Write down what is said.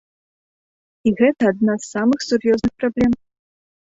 І гэта адна з самых сур'ёзных праблем.